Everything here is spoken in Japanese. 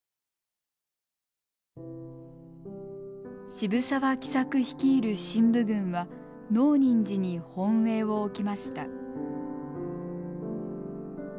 渋沢喜作率いる振武軍は能仁寺に本営を置きました。